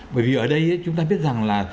bởi vì ở đây chúng ta biết rằng là